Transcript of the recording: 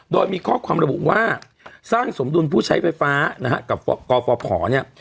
โดยมีข้อความระบุว่าสร้างสมดุลผู้ใช้ไฟฟ้านะฮะกับกฟภเนี่ย